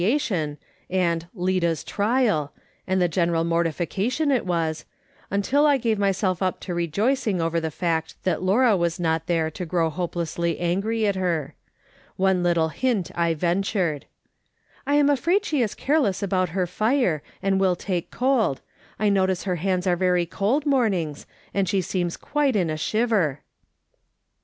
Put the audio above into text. tion," and "Lida's trial," and the general mortifica tion it was, until I gave myself up to rejoicing over the fact that Laura was not there to grow hopelessly angry at her. One little hint I ventured :" I am afraid she is careless about her iire, and will take cold ; I notice her hands are very cold mornings, and she seems quite in a shiver."